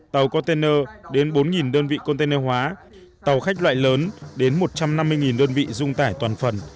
tàu container đến bốn đơn vị container hóa tàu khách loại lớn đến một trăm năm mươi đơn vị dung tải toàn phần